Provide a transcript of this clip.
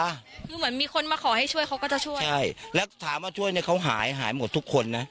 คือเหมือนมีคนมาขอให้ช่วยเขาก็จะช่วยใช่แล้วถามว่าช่วยเนี่ยเขาหายหายหมดทุกคนนะ